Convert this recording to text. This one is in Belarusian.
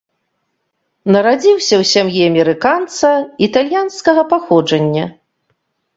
Нарадзіўся ў сям'і амерыканца італьянскага паходжання.